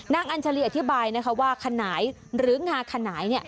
นางอัญชาลีอธิบายว่าขนายหรืองาขนาย